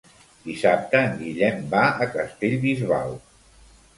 Dissabte en Guillem va a Castellbisbal.